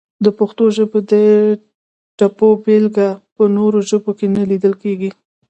د پښتو ژبې د ټپو بېلګه په نورو ژبو کې نه لیدل کیږي!